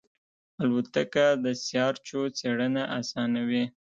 الوتکه د سیارچو څېړنه آسانوي.